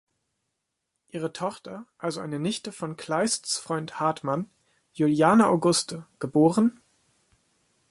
Ihre Tochter, also eine Nichte von Kleists Freund Hartmann, Juliane Auguste, geb.